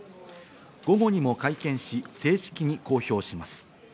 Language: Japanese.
午後にも会見し、正式に公表します。